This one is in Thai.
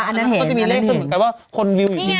ก็จะมีเลขขึ้นหมายความว่าคนวิวอยู่ที่ไหน